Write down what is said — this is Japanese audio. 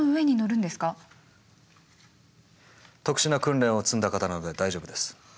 特殊な訓練を積んだ方なので大丈夫です。